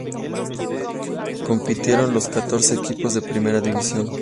Compitieron los catorce equipos de Primera División.